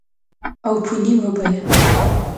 او په نیمه بیه